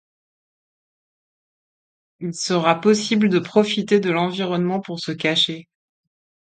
Il sera possible de profiter de l'environnement pour se cacher.